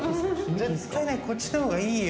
絶対ねこっちの方がいいよ。